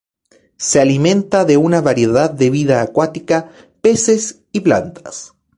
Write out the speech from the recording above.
Se alimenta de una variedad de vida acuática, peces y plantas.